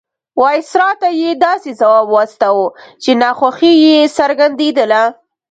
وایسرا ته یې داسې ځواب واستاوه چې ناخوښي یې څرګندېدله.